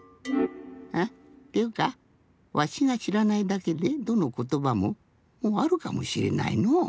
あっっていうかわしがしらないだけでどのことばももうあるかもしれないのう。